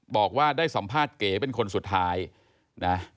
บอกว่าได้สัมภาษณ์เก๋เป็นคนสุดท้ายนะ